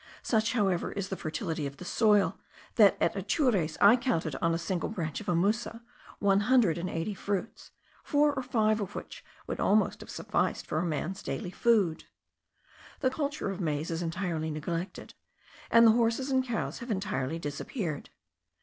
Such however is the fertility of the soil, that at Atures I counted on a single branch of a musa one hundred and eight fruits, four or five of which would almost have sufficed for a man's daily food. The culture of maize is entirely neglected, and the horses and cows have entirely disappeared.